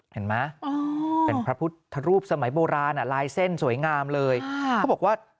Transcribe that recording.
เห็นไม๊พระพุทธรูปสมัยโบราณอ่ะลายเส้นสวยงามเลยพวกว่า